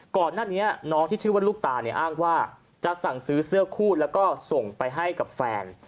ก่อนหน้านี้น้องที่ชื่อว่าลูกตาเนี่ยอ้างว่าจะสั่งซื้อเสื้อคู่แล้วก็ส่งไปให้กับแฟน